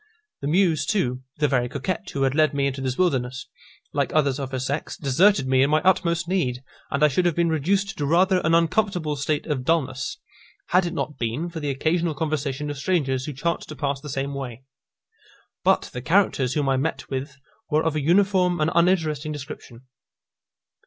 The Muse too, the very coquette who had led me into this wilderness, like others of her sex, deserted me in my utmost need, and I should have been reduced to rather an uncomfortable state of dulness, had it not been for the occasional conversation of strangers who chanced to pass the same way. But the characters whom I met with were of a uniform and uninteresting description.